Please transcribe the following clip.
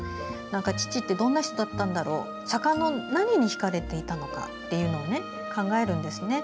父ってどんな人だったんだろう坂の何に惹かれていたのかを考えるんですね。